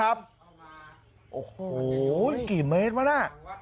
โอ้โหกี่เมตรวะน่ะ